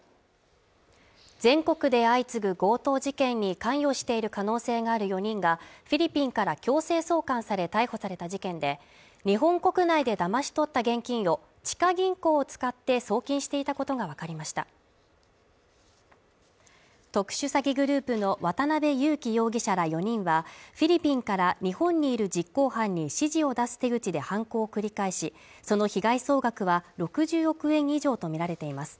全国で相次ぐ強盗事件に関与している可能性がある４人がフィリピンから強制送還され逮捕された事件で日本国内でだまし取った現金を地下銀行を使って送金していたことが分かりました特殊詐欺グループの渡辺優樹容疑者ら４人はフィリピンから日本にいる実行犯に指示を出す手口で犯行を繰り返しその被害総額は６０億円以上とみられています